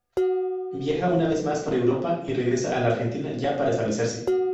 Viaja una vez más por Europa y regresa a la Argentina ya para establecerse.